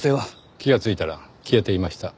気がついたら消えていました。